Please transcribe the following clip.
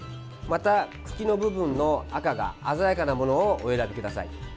また、茎の部分の赤が鮮やかなものをお選びください。